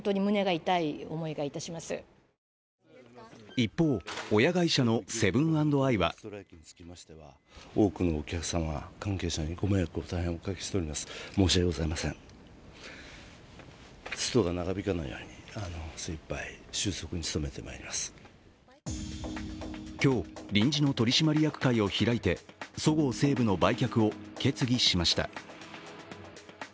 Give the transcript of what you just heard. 一方、親会社のセブン＆アイは今日、臨時の取締役会を開いてそごう・西武の売却を決議しました。